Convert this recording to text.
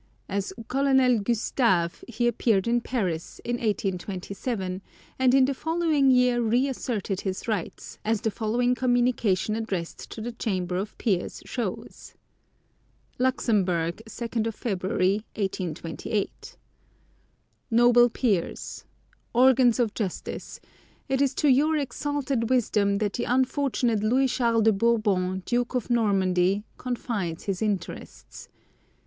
As Colonel Gustave he appeared in Paris, in 1827, and in the following year reasserted his rights, as the following communication addressed to the Chamber of Peers shows: "LUXEMBOURG, 2 February, 1828. "NOBLE PEERS, Organs of justice, it is to your exalted wisdom that the unfortunate Louis Charles de Bourbon, Duke of Normandy, confides his interests.